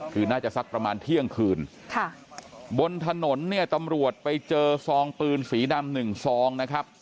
คือน่าจะสักประมาณเที่ยงคืนค่ะบนถนนเนี่ยตำรวจไปเจอซองปืนสีดำหนึ่งซองนะครับ